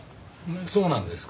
そうなんですか？